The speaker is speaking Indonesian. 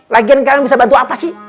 lagi yang kalian bisa bantu apa sih